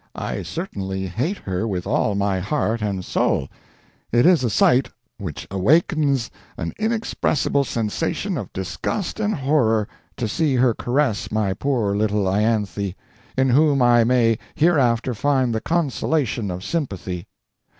I certainly hate her with all my heart and soul.... "It is a sight which awakens an inexpressible sensation of disgust and horror, to see her caress my poor little Ianthe, in whom I may hereafter find the consolation of sympathy.